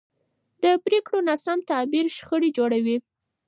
د پرېکړو ناسم تعبیر شخړې جوړوي